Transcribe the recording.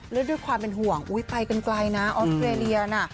แล้วด้วยความเป็นห่วงอุ๊ยไปกันไกลนะออสเตรเลียน่ะ